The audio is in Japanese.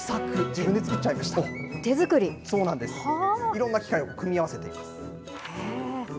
いろんな機械を組み合わせて。